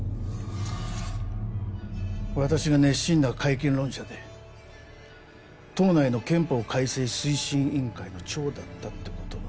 私が熱心な改憲論者で党内の憲法改正推進委員会の長だったって事はご存じかな？